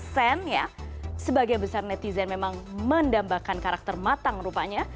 sebagai besar netizen memang mendambakan karakter matang rupanya